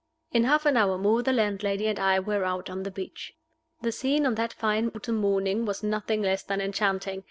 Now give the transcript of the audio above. In half an hour more the landlady and I were out on the beach. The scene on that fine autumn morning was nothing less than enchanting.